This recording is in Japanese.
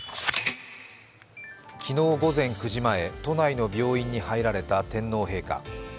昨日午前９時前、都内の病院に入られた天皇陛下。